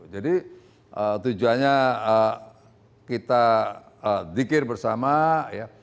jadi tujuannya kita zikir bersama ya